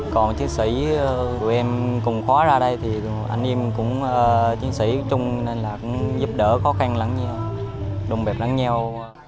còn chiến sĩ chúng tôi cùng khóa ra đây anh em cũng chiến sĩ chung giúp đỡ khó khăn lắm nhau đồng biệt lắm nhau